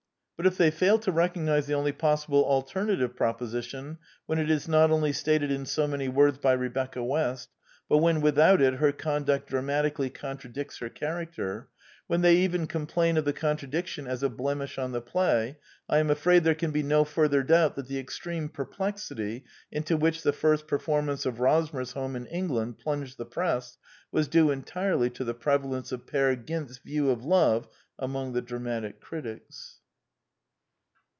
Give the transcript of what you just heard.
But if they fail to recognize the only possible alternative proposition when it is not only stated in so many words by Rebecca West, but when without it her conduct dramatically contradicts her character — when they even complain of the contradiction as a blemish on the play, I am afraid there can be no further doubt that the extreme perplexity into which the first performance of Rosmersholm in England plunged the Press was due entirely to the prevalence of Peer Gynt's view of love among the dramatic critics.